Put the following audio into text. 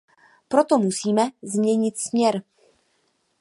Proto musíme změnit směr.